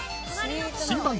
新番組